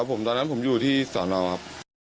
ครับผมตอนนั้นผมอยู่ที่ศาลราวครับ